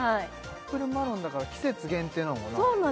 アップルマロンだから季節限定なのかな？